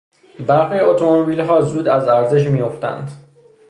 برخی اتومبیلها زود از ارزش میافتند.